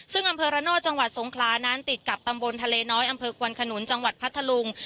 ซึ่งอำเภอระโนธจังหวัดสงขลานั้นติดกับตำบลทะเลน้อยอำเภอควนขนุนจังหวัดพัทธลุง